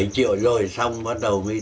bảy triệu rồi xong bắt đầu mới